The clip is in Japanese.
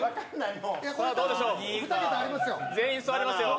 全員座れますよ。